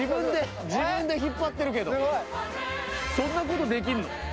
そんなことできんの？